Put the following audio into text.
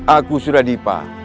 aku sudah dipah